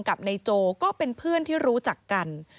ที่มันก็มีเรื่องที่ดิน